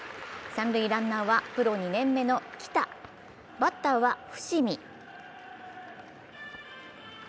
三塁ランナーはプロ２年目の来田、バッターは伏見。